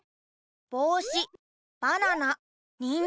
ぼうしばななにんじん。